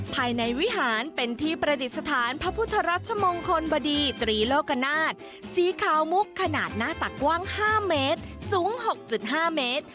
ภายในวิหารเป็นที่ประดิษฐานพระพุทธรัชมงคลบดีตรีโลกนาฏสีขาวมุกขนาดหน้าตักกว้าง๕เมตรสูง๖๕เมตร